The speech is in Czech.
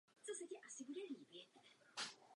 To je nutno provést dvojím způsobem.